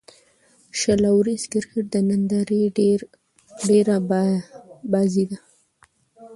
شل اووريز کرکټ د نندارې ډېره بازي ده.